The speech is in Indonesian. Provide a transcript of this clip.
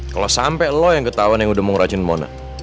kalo sampe lo yang ketahuan yang udah mau ngeracun mona